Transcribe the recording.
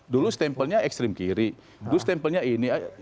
dulu stempelnya ekstrim kiri dulu stempelnya ini